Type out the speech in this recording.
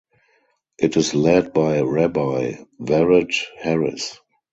It is led by Rabbi Vered Harris.